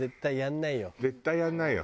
絶対やんないよ。